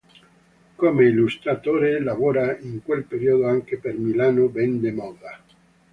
Come illustratore lavora in quel periodo anche per Milano Vende Moda.